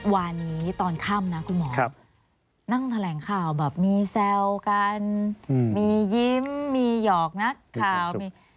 วันนี้ตอนค่ำนะคุณหมอนั่งแถลงข่าวแบบมีแซวกันมียิ้มมีหยอกนักข่าวมี